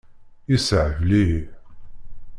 Yessehbal-iyi.